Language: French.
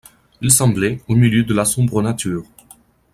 Ils semblaient, au milieu de la sombre nature